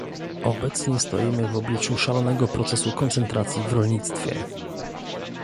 Obecnie stoimy w obliczu szalonego procesu koncentracji w rolnictwie